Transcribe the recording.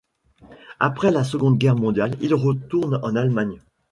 Après la Seconde Guerre mondiale, il retourne en Allemagne.